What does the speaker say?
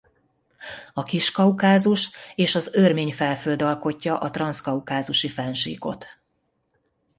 A Kis-Kaukázus és az Örmény-felföld alkotja a Transzkaukázusi-fennsíkot.